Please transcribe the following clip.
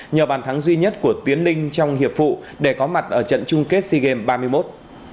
nhờ bàn thắng duy nhất của tiến linh trong hiệp phụ để có mặt ở trận chung kết sea games ba mươi một